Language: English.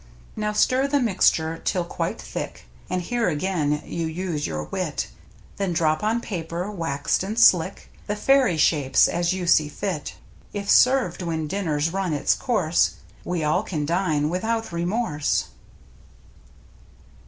Now stir the mixture till quite thick. And here again you use your wit, Then drop on paper — waxed, and slick — The fairy shapes as you see fit. If served when dinner's run its course, We all can dine without Remorse.